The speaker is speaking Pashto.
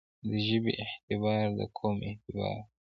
د ژبې اعتبار دقوم اعتبار دی.